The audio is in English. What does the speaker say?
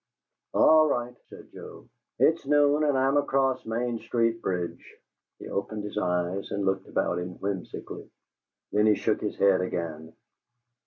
"All right," said Joe. "It's noon and I'm 'across Main Street bridge.'" He opened his eyes and looked about him whimsically. Then he shook his head again.